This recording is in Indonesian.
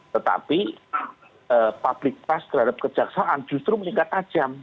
tetapi public trust terhadap kejaksaan justru meningkat tajam